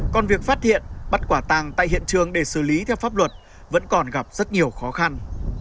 còn việc phát hiện bắt quả tàng tại hiện trường để xử lý theo pháp luật vẫn còn gặp rất nhiều khó khăn